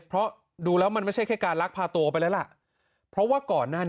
เพราะดูแล้วมันไม่ใช่แค่การลักพาตัวไปแล้วล่ะเพราะว่าก่อนหน้านี้